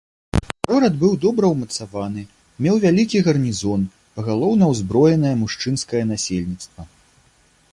Горад быў добра ўмацаваны, меў вялікі гарнізон, пагалоўна ўзброенае мужчынскае насельніцтва.